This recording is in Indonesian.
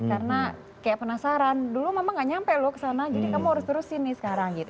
karena kayak penasaran dulu memang nggak nyampe loh kesana jadi kamu harus terusin nih sekarang gitu